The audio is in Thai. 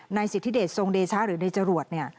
นายสิทธิเดชทรงเดชะหรือในจรวจ